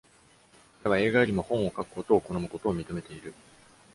彼は映画よりも本を書くことを好むことを認めている。